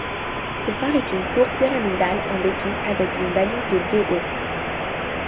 Ce phare est une tour pyramidale en béton, avec une balise de de haut.